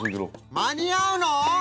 間に合うの？